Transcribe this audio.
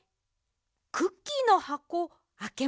クッキーのはこあけましょうか。